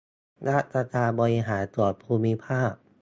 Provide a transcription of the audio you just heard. ราชการบริหารส่วนภูมิภาค